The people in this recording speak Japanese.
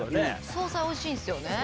総菜おいしいんですよね。